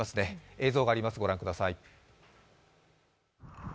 映像があります、ご覧ください。